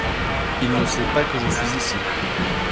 Il ne sait pas que je suis ici.